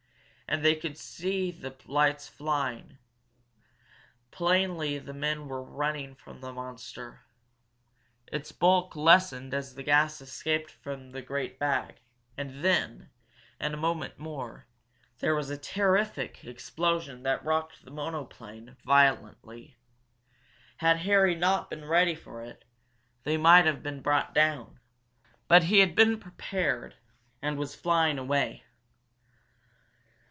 And they could see the lights flying plainly the men were running from the monster. Its bulk lessened as the gas escaped from the great bag and then, in a moment more, there was a terrific explosion that rocked the monoplane violently. Had Harry not been ready for it, they might have been brought down. But he had been prepared, and was flying away.